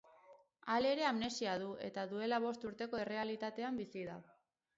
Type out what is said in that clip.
Halere, amnesia du, eta duela bost urteko errealitatean bizi da.